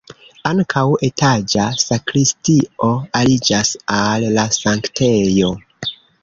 Ankaŭ etaĝa sakristio aliĝas al la sanktejo.